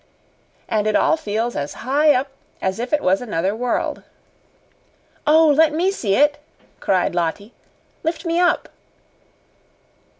And it all feels as high up as if it was another world." "Oh, let me see it!" cried Lottie. "Lift me up!"